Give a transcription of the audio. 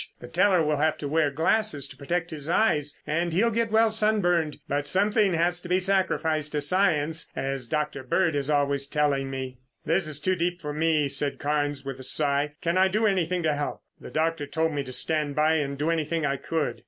The teller will have to wear glasses to protect his eyes and he'll get well sunburned, but something has to be sacrificed to science, as Dr. Bird is always telling me." "It's too deep for me," said Carnes with a sigh. "Can I do anything to help? The doctor told me to stand by and do anything I could."